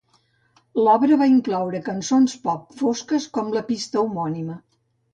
L'obra va incloure cançons pop fosques com la pista homònima.